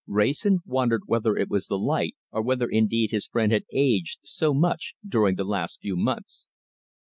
Wrayson wondered whether it was the light, or whether indeed his friend had aged so much during the last few months.